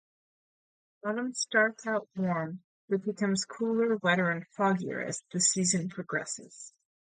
Autumn starts out warm but becomes cooler, wetter, and foggier as the season progresses.